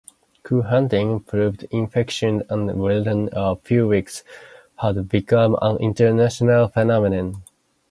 Clue-hunting proved infectious and, within a few weeks, had become an international phenomenon.